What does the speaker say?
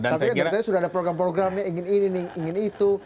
tapi ternyata sudah ada program programnya ingin ini nih ingin itu